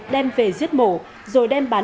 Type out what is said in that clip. đem về giết mổ rồi đem bán